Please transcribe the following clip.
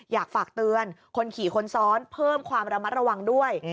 อยากฝากเตือนคนขี่คนซ้อนเพิ่มความระมัดระวังด้วย